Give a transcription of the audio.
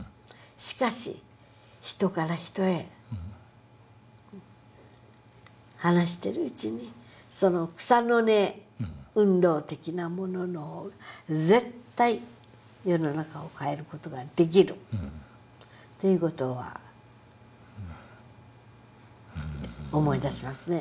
しかし人から人へ話してるうちにその草の根運動的なものの絶対世の中を変える事ができるという事は思い出しますね。